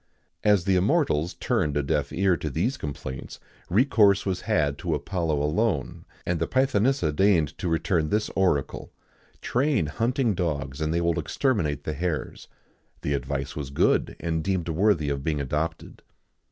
As the immortals turned a deaf ear to these complaints, recourse was had to Apollo alone, and the Pythonissa deigned to return this oracle: "Train hunting dogs, and they will exterminate the hares."[XIX 92] The advice was good, and deemed worthy of being adopted.